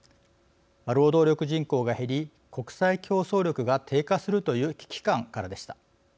労働力人口が減り国際競争力が低下するという危機感からでした。